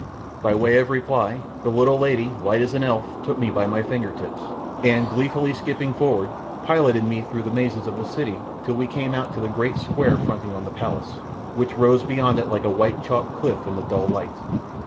By way of reply, the little lady, light as an elf, took me by the fingertips, and, gleefully skipping forward, piloted me through the mazes of her city until we came out into the great square fronting on the palace, which rose beyond it like a white chalk cliff in the dull light.